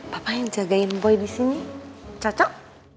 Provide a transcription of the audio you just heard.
papa yang jagain boy di sini cocok